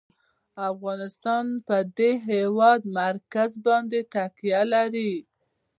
افغانستان په د هېواد مرکز باندې تکیه لري.